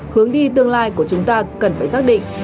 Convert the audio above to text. hướng đi tương lai của chúng ta cần phải xác định